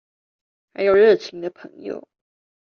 還有熱情的朋友